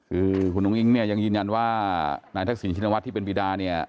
คือคุณต้องมือเนี่ยยินยันว่านางทักษิณชินวัทย์ที่เป็นวิดาเนี่ย